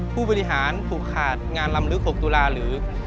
ผู้บริหารผูกขาดงานลำลึก๖ตุลาหรือ